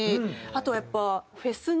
あとはやっぱ。